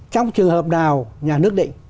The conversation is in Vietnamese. trong trường hợp nào nhà nước định